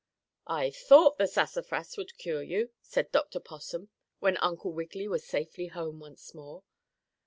"I thought the sassafras would cure you," said Dr. Possum, when Uncle Wiggily was safely home once more.